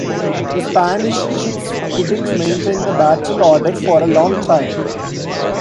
The Spanish ships couldn't maintain the battle order for a long time.